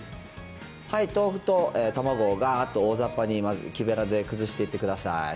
豆腐と卵がーっと大ざっぱにまず、木べらで崩していってください。